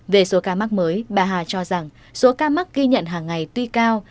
về số ca mắc mới bà hà cho rằng số ca mắc ghi nhận hàng ngày tuy cao